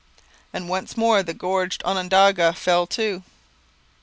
and once more the gorged Onondaga fell to.